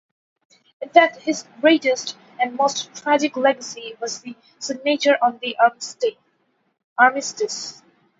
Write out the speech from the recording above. In fact his greatest, and most tragic legacy, was the signature on the Armistice.